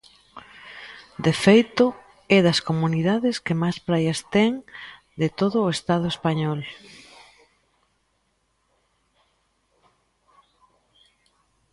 De feito é das comunidades que máis praias ten de todo o Estado español.